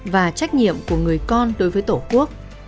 và trách nhiệm của người con đối với tổ quốc